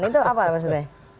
itu apa maksudnya